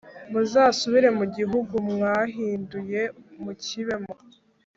muzasubire mu gihugu mwahind ye mukibemo